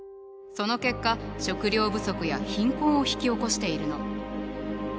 その結果食料不足や貧困を引き起こしているの。